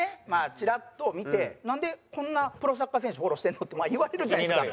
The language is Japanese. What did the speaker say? チラッと見て「なんでこんなプロサッカー選手フォローしてるの？」ってまあ言われるじゃないですか。